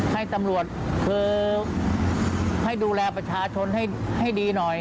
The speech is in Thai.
ให้ตำรวจคือให้ดูแลประชาชนให้ดีหน่อย